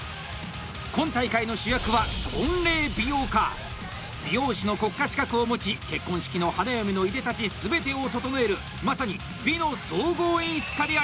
今大会の主役は美容師の国家資格を持ち結婚式の花嫁のいでたち全てを整える、まさに「美」の総合演出家であります。